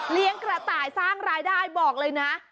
กระต่ายสร้างรายได้บอกเลยนะ